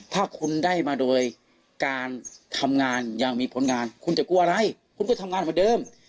ถ้าคุณได้มาโดยการทำงานอย่างมีผลงานคุณจะกลัวอะไรคุณก็ทำงานเหมือนเดิม